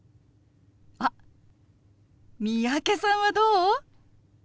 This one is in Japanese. あっ三宅さんはどう？